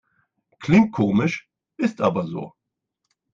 Klingt komisch, ist aber so.